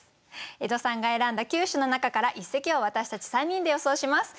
江戸さんが選んだ９首の中から一席を私たち３人で予想します。